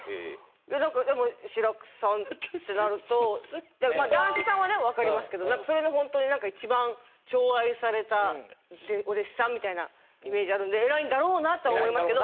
でも志らくさんってなると談志さんはねわかりますけどそれのホントに一番寵愛されたお弟子さんみたいなイメージあるんで偉いんだろうなとは思いますけど。